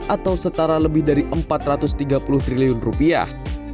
atau setara lebih dari empat ratus tiga puluh triliun rupiah